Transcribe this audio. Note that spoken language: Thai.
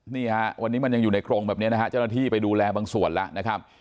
นี่ฮะวันนี้มันยังอยู่ในกรงแบบนี้นะฮะเจ้าหน้าที่ไปดูแลบางส่วนแล้วนะครับ